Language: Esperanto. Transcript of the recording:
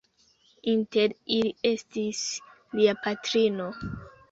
Inter ili estis Lia patrino.